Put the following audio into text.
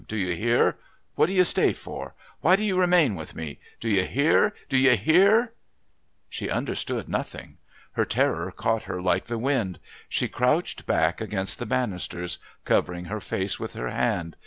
Do you hear? What do you stay for? Why do you remain with me? Do you hear? Do you hear?" She understood nothing. Her terror caught her like the wind. She crouched back against the bannisters, covering her face with her hand.